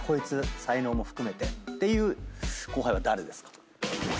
才能も含めてっていう後輩は誰ですか？